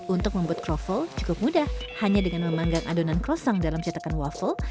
untuk membuat kroffel cukup mudah hanya dengan memanggang adonan crosang dalam cetakan waffle